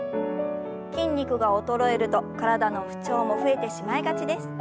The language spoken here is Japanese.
筋肉が衰えると体の不調も増えてしまいがちです。